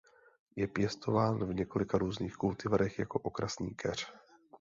Je pěstován v několika různých kultivarech jako okrasný keř.